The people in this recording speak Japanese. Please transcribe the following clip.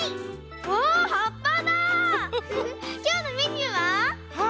きょうのメニューは？